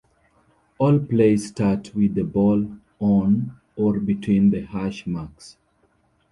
All plays start with the ball on or between the hash marks.